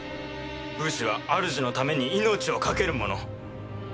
武士は主のために命を懸けるもの。